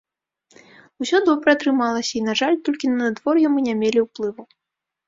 Усё добра атрымалася, і, на жаль, толькі на надвор'е мы не мелі ўплыву.